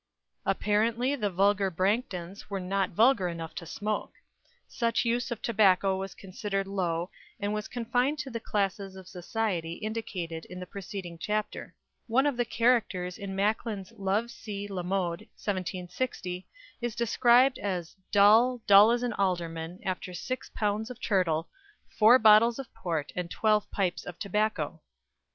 Apparently the vulgar Branghtons were not vulgar enough to smoke. Such use of tobacco was considered low, and was confined to the classes of society indicated in the preceding chapter. One of the characters in Macklin's "Love à la Mode," 1760, is described as "dull, dull as an alderman, after six pounds of turtle, four bottles of port, and twelve pipes of tobacco."